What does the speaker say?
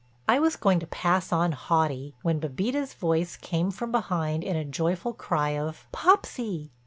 I was going to pass on haughty, when Bébita's voice came from behind in a joyful cry of "Popsy."